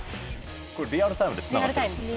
これリアルタイムでつながってるんですね